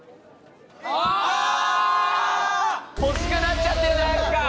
欲しくなっちゃってるじゃないっすか！